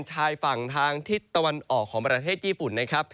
ชายฝั่งทางทิศตะวันออกของประเทศญี่ปุ่นนะครับ